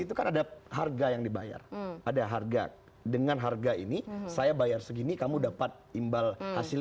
itu kan ada harga yang dibayar ada harga dengan harga ini saya bayar segini kamu dapat imbal hasil